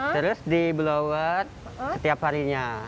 terus di blow out setiap harinya